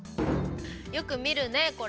よくみるねこれ。